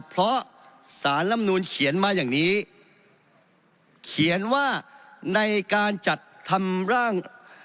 เพราะสารลำนูนเขียนมาอย่างนี้เขียนว่าในการจัดทำร่าง